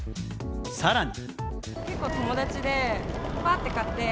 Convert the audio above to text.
さらに。